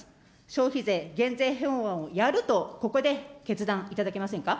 消費税減税法案をやるとここで決断いただけませんか。